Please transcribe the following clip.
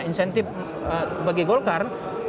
insentif bagi golkar